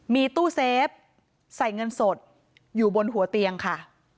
มีตู้เซฟใส่เงินสดอยู่บนหัวเตียงค่ะ